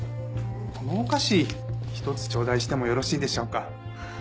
このお菓子１つちょうだいしてもよろしいでしょうか？